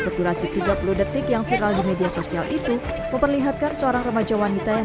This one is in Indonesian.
berdurasi tiga puluh detik yang viral di media sosial itu memperlihatkan seorang remaja wanita yang